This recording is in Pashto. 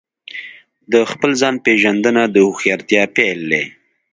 د خپل ځان پېژندنه د هوښیارتیا پیل دی.